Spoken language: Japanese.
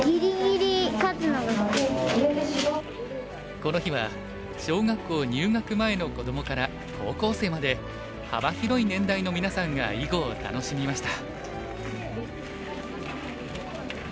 この日は小学校入学前の子どもから高校生まで幅広い年代のみなさんが囲碁を楽しみました。